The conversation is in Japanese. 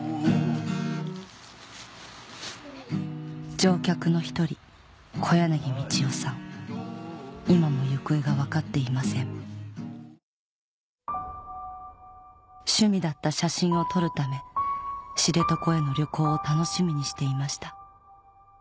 乗客の一人今も行方が分かっていません趣味だった写真を撮るため知床への旅行を楽しみにしていました